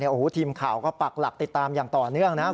โอ้โหทีมข่าวก็ปักหลักติดตามอย่างต่อเนื่องนะครับ